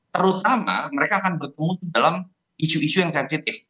terutama mereka akan bertemu dalam isu isu yang sensitif